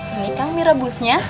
ini kan mie rebusnya